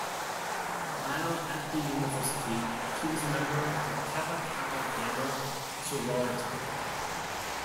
While at the university she was a member of the Kappa Kappa Gamma Sorority.